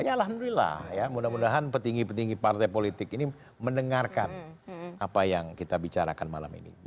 ya alhamdulillah ya mudah mudahan petinggi petinggi partai politik ini mendengarkan apa yang kita bicarakan malam ini